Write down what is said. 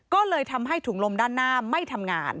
ก็เลยทำให้ถุงลมด้านหน้าไม่ทำงาน